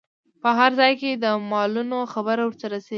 په هر ځای کې د مالونو خبر ورته ورسید.